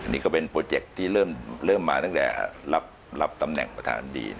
นี่ก็เป็นโปรเจคที่เริ่มมาตั้งแต่รับตำแหน่งประธานดี